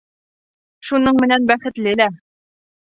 Шуның менән бәхетле лә.